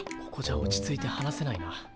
ここじゃ落ち着いて話せないな。